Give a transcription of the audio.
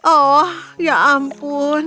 oh ya ampun